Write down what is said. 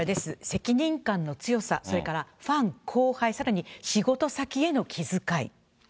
責任感の強さ、それからファン、後輩、さらに、仕事先への気遣い。